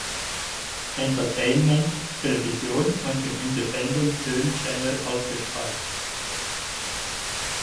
Entertainment Television und dem Independent Film Channel ausgestrahlt.